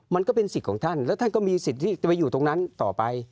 มันก็เป็นสิทธิ์ของท่านแล้วท่านก็มีสิทธิ์ที่จะไปอยู่ตรงนั้นต่อไป